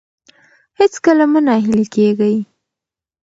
هېڅکله مه ناهیلي کیږئ.